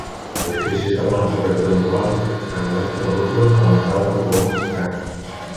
L'edifici és de planta rectangular de coberta doble, aguantada per columnes de ferro.